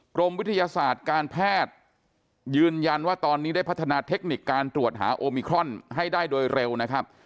กรมวิทยาศาสตร์การแพทย์ยืนยันว่าตอนนี้ได้พัฒนาเทคนิคการตรวจหาโอมิครอนให้ได้โดยเร็วนะครับ